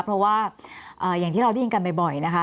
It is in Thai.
เพราะว่าอย่างที่เราได้ยินกันบ่อยนะคะ